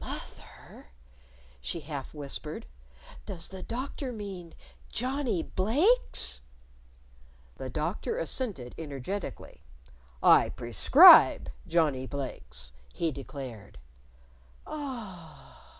"Moth er," she half whispered, "does the Doctor mean Johnnie Blake's?" The Doctor assented energetically. "I prescribe Johnnie Blake's," he declared. "A a ah!"